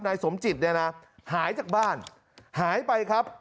นายสมจิตเนี่ยนะหายจากบ้านหายไปครับ